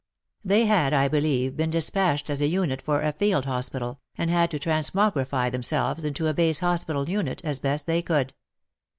They had, I believe, been dispatched as a unit for a field hospital, and had to transmogrify themselves into a base hospital unit as best they could.